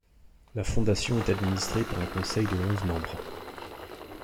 La fondation est administrée par un conseil de onze membres.